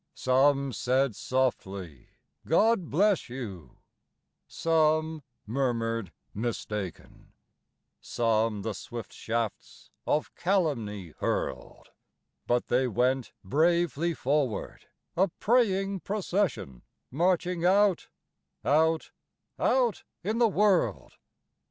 Some said, softly, "God bless you"; some murmured, "Mistaken"; Some the swift shafts of calumny hurled; But they went bravely forward, a praying procession, Marching out, out, out in the world.